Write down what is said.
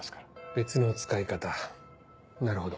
別の使い方なるほど。